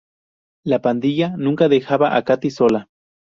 La pandilla nunca dejaba a Cathy sola.